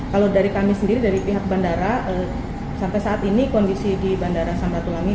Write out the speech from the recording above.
kalau dari kami sendiri dari pihak bandara sampai saat ini kondisi di bandara samratulangi